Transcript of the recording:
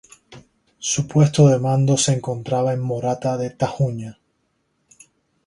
Su puesto de mando se encontraba en Morata de Tajuña.